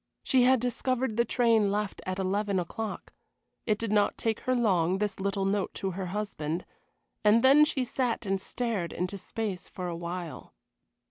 She had discovered the train left at eleven o'clock. It did not take her long, this little note to her husband, and then she sat and stared into space for a while.